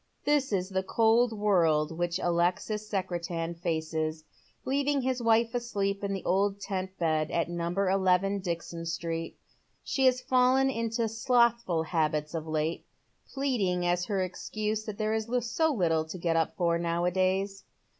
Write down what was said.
This is the cold world which Alexis Secretan faces, leaving hift wife asleep in the old tent bed at number eleven, Dixon Street. She has fallen into slothful habits of late, pleading as her excuse that there is so little to get up for, now a days.